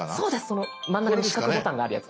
その真ん中に四角ボタンがあるやつ。